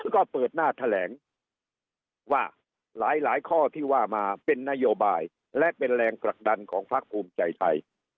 ก็เปิดหน้าแถลงว่าหลายข้อที่ว่ามาเป็นนโยบายและเป็นแรงผลักดันของพักภูมิใจไทย